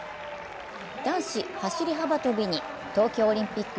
男子走り幅跳びに東京オリンピック